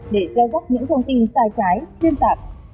để gieo rắc những thông tin sai trái xuyên tạp